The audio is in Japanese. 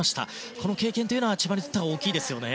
この経験というのは千葉にとっては大きいですよね。